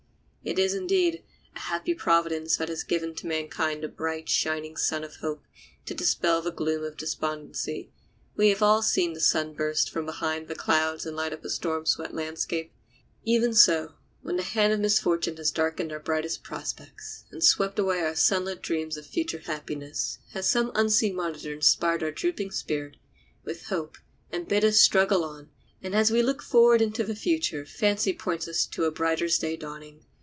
It is, indeed, a happy providence that has given to mankind the bright, shining sun of hope to dispel the gloom of despondency. We have all seen the sun burst from behind the clouds and light up a storm swept landscape. Even so, when the hand of misfortune has darkened our brightest prospects and swept away our sunlit dreams of future happiness, has some unseen monitor inspired our drooping spirit with hope and bid us struggle on; and as we look forward into the future fancy points us to a brighter day's dawning.